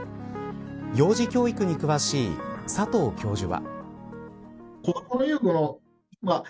幼児教育に詳しい佐藤教授は。